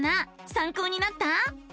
さんこうになった？